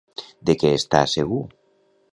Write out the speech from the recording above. De què està segur?